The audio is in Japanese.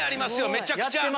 めちゃくちゃ。